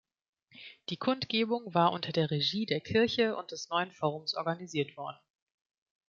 Die Kundgebung war unter der Regie der Kirche und des Neuen Forums organisiert worden.